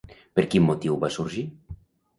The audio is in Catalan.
Per quin motiu va sorgir?